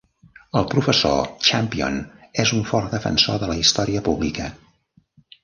El professor Champion és un fort defensor de la història pública.